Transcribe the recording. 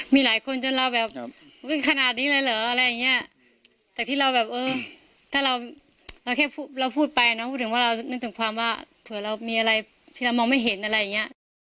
มีหลายคนเจ้าเล่าแบบขนาดที่ละเหรออะไรอย่างเงี้ย